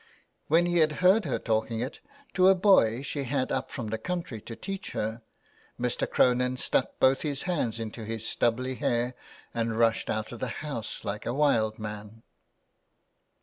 " When he had heard her talking it to a boy she had up from the country to teach her, Mr. Cronin stuck both his hands into his stubbly hair and rushed out of the house like a wild man."